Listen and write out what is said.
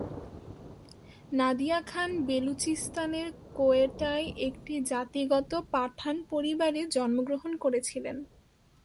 নাদিয়া খান বেলুচিস্তানের কোয়েটায় একটি জাতিগত পাঠান পরিবারে জন্মগ্রহণ করেছিলেন।